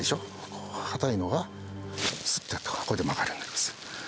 こう硬いのがスッとやるとこれで曲がるようになります。